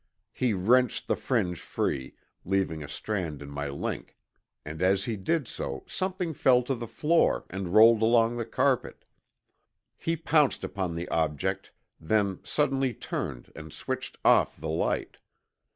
He wrenched the fringe free, leaving a strand in my link, and as he did so something fell to the floor and rolled along the carpet. He pounced upon the object, then suddenly turned and switched off the light.